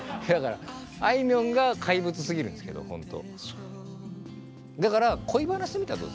あいみょんが怪物すぎるんですけどほんと。